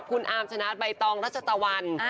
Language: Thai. คุณอาร์มชนะใบตองรัชตะวัน